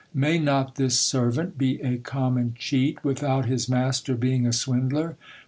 May not this servant be a common cheat, without his master being a swindler